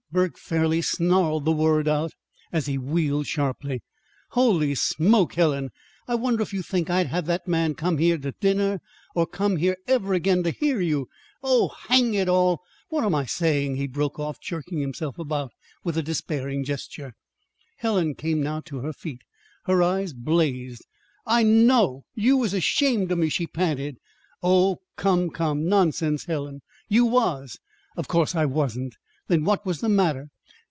Burke fairly snarled the word out as he wheeled sharply. "Holy smoke, Helen! I wonder if you think I'd have that man come here to dinner, or come here ever again to hear you Oh, hang it all, what am I saying?" he broke off, jerking himself about with a despairing gesture. Helen came now to her feet. Her eyes blazed. "I know. You was ashamed of me," she panted. "Oh, come, come; nonsense, Helen!" "You was." "Of course I wasn't." "Then what was the matter?"